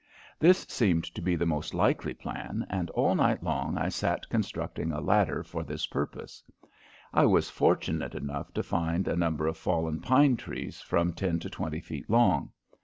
This seemed to be the most likely plan, and all night long I sat constructing a ladder for this purpose. I was fortunate enough to find a number of fallen pine trees from ten to twenty feet long.